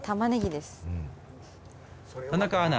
田中アナ